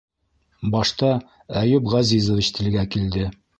Башта Әйүп Ғәзизович телгә килде: